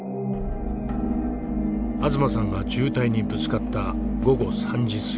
東さんが渋滞にぶつかった午後３時過ぎ。